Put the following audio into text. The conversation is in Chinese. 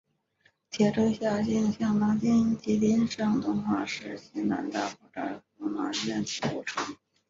铁州辖境相当今吉林省敦化市西南大蒲柴河马圈子古城。